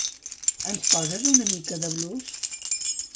Ens poses una mica de blues?